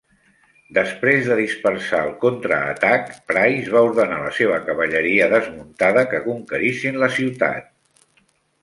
Després de dispersar el contraatac, Price va ordenar a la seva cavalleria desmuntada que conquerissin la ciutat.